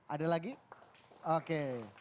ada lagi oke